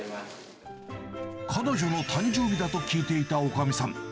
彼女の誕生日だと聞いていたおかみさん。